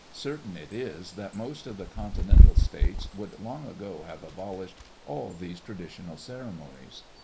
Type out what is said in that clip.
Certain it is, that most of the continental states would long since have abolished all these traditional ceremonies.